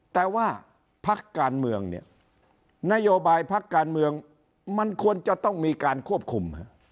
แต่ว่าพกเนี่ยนโยบายพกมันควรจะต้องมีการควบคุม